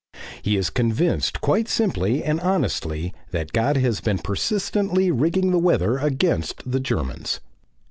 He is convinced quite simply and honestly that God has been persistently rigging the weather against the Germans.